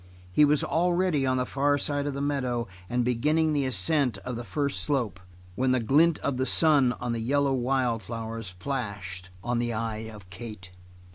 He was already on the far side of the meadow, and beginning the ascent of the first slope when the glint of the sun on the yellow wild flowers flashed on the eye of Kate.